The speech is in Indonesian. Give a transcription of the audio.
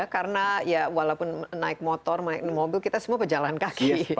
karena walaupun naik motor naik mobil kita semua pejalan kaki